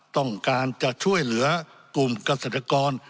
ต้องการจะช่วยเหลือกลุ่มเกษตรกร